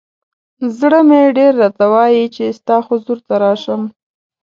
ز ړه مې ډېر راته وایی چې ستا حضور ته راشم.